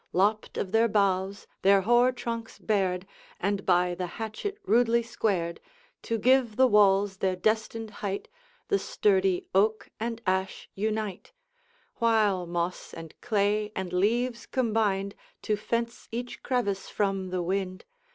Lopped of their boughs, their hoar trunks bared, And by the hatchet rudely squared, To give the walls their destined height, The sturdy oak and ash unite; While moss and clay and leaves combined To fence each crevice from the wind.